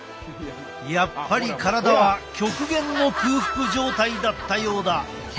やっぱり体は極限の空腹状態だったようだ。